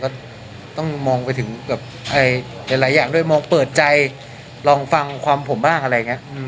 ก็ต้องมองไปถึงกับหลายอย่างด้วยมองเปิดใจลองฟังความผมบ้างอะไรอย่างนี้